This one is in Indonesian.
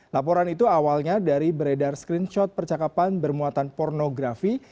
laporan itu awalnya dari beredar screenshot percakapan bermuatan pornografi